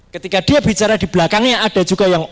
ketika dia bicara di belakangnya ada juga yang